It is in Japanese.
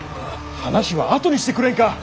話は後にしてくれんか！